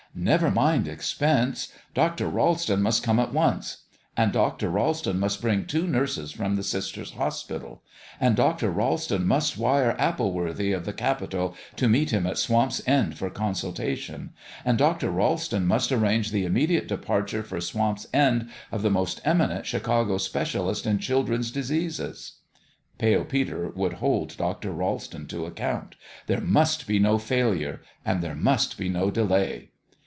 Never mind expense. Dr. Ralston must come at once. And Dr. Ralston must bring two nurses from the Sisters' Hospital ; and Dr. Ralston must wire Appleworthy of the Capital to meet him at Swamp's End for con sultation; and Dr. Ralston must arrange the immediate departure for Swamp's End of the most eminent Chicago specialist in children's diseases. Pale Peter would hold Dr. Ralston to account. There must be no failure ; and there must be no delay.